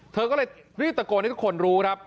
เธอก็เลยรีบตะโกนให้ทุกคนรู้ครับ